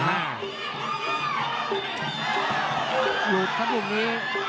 หยุดครับอย่างนี้